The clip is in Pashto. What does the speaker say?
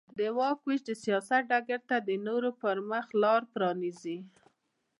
د واک وېش د سیاست ډګر ته د نورو پرمخ لار پرانېزي.